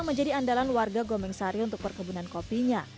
sama menjadi andalan warga gomeng sari untuk perkebunan kopinya